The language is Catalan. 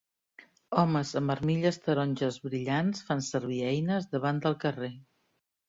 Homes amb armilles taronges brillants fan servir eines davant del carrer.